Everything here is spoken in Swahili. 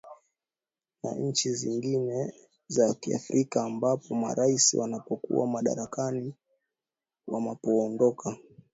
na nchi zingine za kiafrika ambapo marais wanapokuwa madarakani wamapoondoka